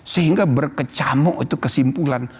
sehingga berkecamuk itu kesimpulan